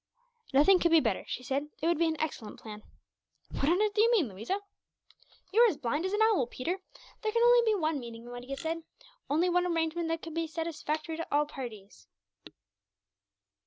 "Nothing could be better," she said; "it would be an excellent plan." "What on earth do you mean, Louisa?" "You are as blind as an owl, Peter. There can be only one meaning in what he has said, only one arrangement that could be satisfactory to all parties."